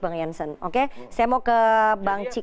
bang jansen oke saya mau ke bang cik